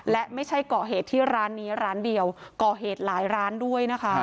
และไม่ใช่ก่อเหตุที่ร้านนี้ร้านเดียวก่อเหตุหลายร้านด้วยนะคะ